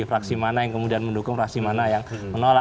fraksi mana yang kemudian mendukung fraksi mana yang menolak